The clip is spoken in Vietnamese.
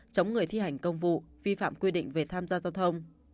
chống người thi hành công vụ vi phạm quy định về tham gia giao thông